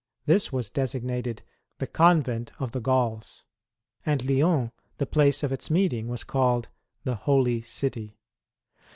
This was designated the " Convent of the Gauls ;" and Lyons the place of its meeting was called " The Holy City."